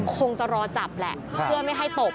คงจะรอจับแหละเพื่อไม่ให้ตบ